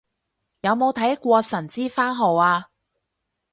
有冇睇過神之番號啊